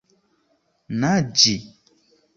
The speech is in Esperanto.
naĝi